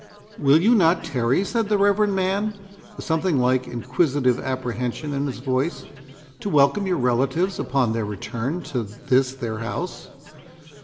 "Will you not tarry," said the reverend man, with something like inquisitive apprehension in his voice, "to welcome your relatives upon their return to this their house?"